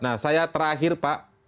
nah saya terakhir pak